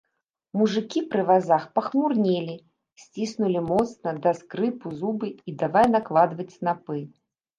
Мужыкі пры вазах пахмурнелі, сціснулі моцна, да скрыпу, зубы і давай накладваць снапы.